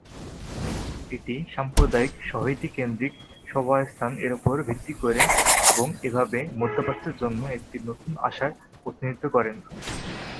এটি "সাম্প্রদায়িক, সংহতি কেন্দ্রিক সহাবস্থান" এর উপর ভিত্তি করে এবং এভাবে "মধ্যপ্রাচ্যের জন্য একটি নতুন আশার প্রতিনিধিত্ব করে।"